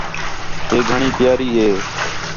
ہے گھڑی گھݨی پیاری ہے